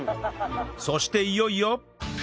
そしていよいよ